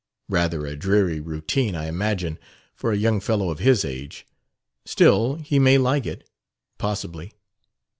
"Rather a dreary routine, I imagine, for a young fellow of his age. Still, he may like it, possibly."